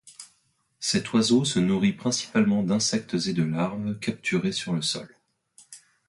Cet oiseau se nourrit principalement d'insectes et de larves, capturés sur le sol.